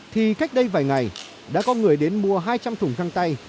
thì cách đây vài ngày đã có người đến mua hai trăm linh thùng găng tay